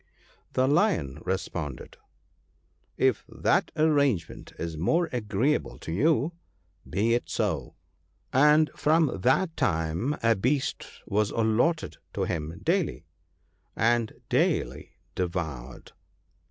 The Lion re sponded, ' If that arrangement is more agreeable to you, be it so ;' and from that time a beast was allotted to him daily, and daily devoured.